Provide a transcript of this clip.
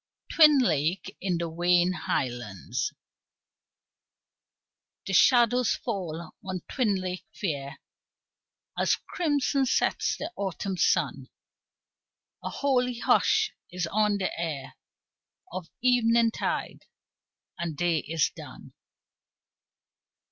Twin Lake In the Wayne Highlands The shadows fall on Twin Lake fair As crimson sets the Autumn sun; A holy hush is on the air Of eventide and day is done.